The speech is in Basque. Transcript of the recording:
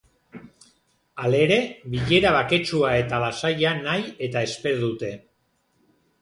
Halere bilera baketsua eta lasaia nahi eta espero dute.